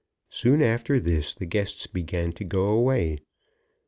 Soon after this the guests began to go away.